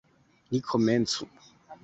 Ni komencu!